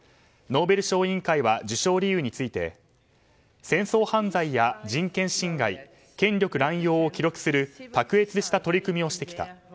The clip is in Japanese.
ノーベル賞委員会は授賞理由について戦争犯罪や人権侵害権力乱用を記録する卓越した取り組みをしてきた。